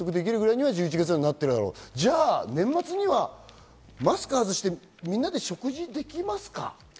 じゃあ年末にはマスク外してみんなで食事できますか？